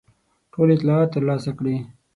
ټول اطلاعات ترلاسه کړي.